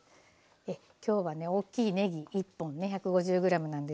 今日はね大きいねぎ１本ね１５０ｇなんですけれども。